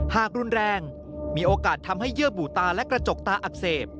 หากรุนแรงมีโอกาสทำให้เยื่อบู่ตาและกระจกตาอักเสบ